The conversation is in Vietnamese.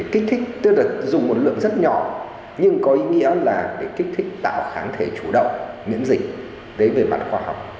kích thích tức là dùng một lượng rất nhỏ nhưng có ý nghĩa là để kích thích tạo kháng thể chủ động miễn dịch về mặt khoa học